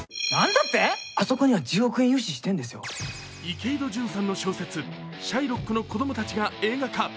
池井戸潤さんの小説「シャイロックの子供たち」が映画化。